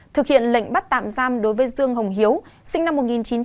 thực hiện lệnh bắt tạm giam đối với dương hồng hiếu sinh năm một nghìn chín trăm tám mươi